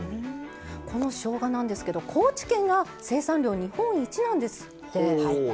このしょうが、高知県が生産量日本一なんですって。